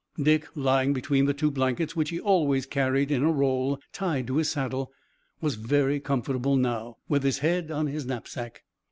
Dick, lying between the two blankets which he always carried in a roll tied to his saddle, was very comfortable now, with his head on his knapsack.